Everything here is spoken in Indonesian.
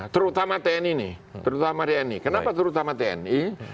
terutama tni nih kenapa terutama tni